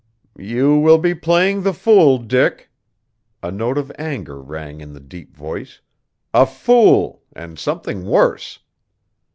"You will be playing the fool, Dick," a note of anger rang in the deep voice, "a fool, and something worse.